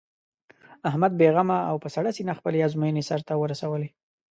احمد بې غمه او په سړه سینه خپلې ازموینې سر ته ورسولې.